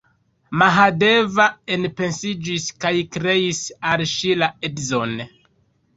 Mahadeva enpensiĝis kaj kreis al ŝi la edzon!